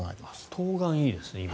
冬瓜いいですね。